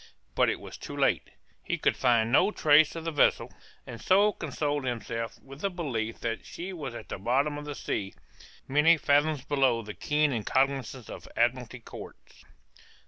But it was too late; he could find no trace of the vessel, and so consoled himself with the belief that she was at the bottom of the sea, many fathoms below the ken and cognizance of Admiralty Courts.